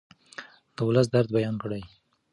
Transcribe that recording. د ولس درد بیان کړئ.